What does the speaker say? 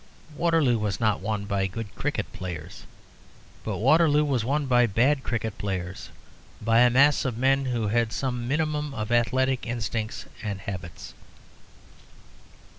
Waterloo was not won by good cricket players. But Waterloo was won by bad cricket players, by a mass of men who had some minimum of athletic instincts and habits.